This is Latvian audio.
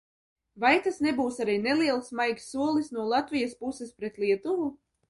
"Vai tas nebūs arī neliels "maigs" solis no Latvijas puses pret Lietuvu?"